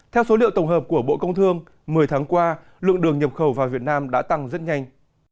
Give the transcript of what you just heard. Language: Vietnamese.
theo số liệu tổng hợp của bộ công thương một mươi tháng qua lượng đường nhập khẩu vào việt nam đã tăng rất nhanh